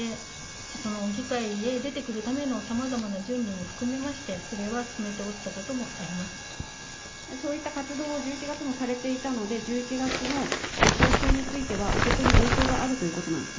議会へ出てくるためのさまざまな準備も含めまして、それは進めてそういった活動を１１月もされていたので、１１月の報酬については、受け取るご意向があるということなんですか。